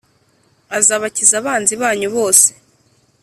Azabakiza abanzi banyu bose